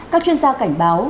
các chuyên gia cảnh báo